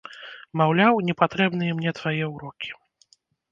Маўляў, не патрэбныя мне твае ўрокі.